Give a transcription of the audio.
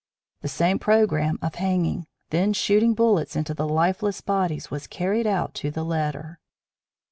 The same programme of hanging, then shooting bullets into the lifeless bodies was carried out to the letter.